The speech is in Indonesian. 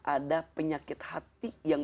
ada penyakit hati yang